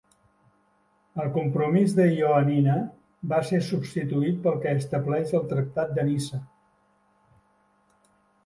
El compromís de Ioannina va ser substituït pel que estableix el tractat de Niça.